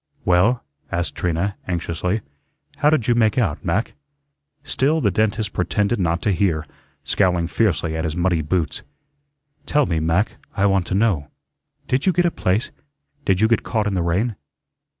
"Well," asked Trina, anxiously, "how did you make out, Mac?" Still the dentist pretended not to hear, scowling fiercely at his muddy boots. "Tell me, Mac, I want to know. Did you get a place? Did you get caught in the rain?"